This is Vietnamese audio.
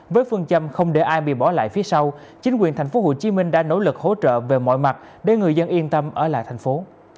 với phương châm không để ai bị bỏ lại phía sau chính quyền tp hcm đã nỗ lực hỗ trợ về mọi mặt để người dân yên tâm ở lại thành phố